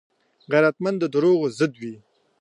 غیرتمند د دروغو ضد وي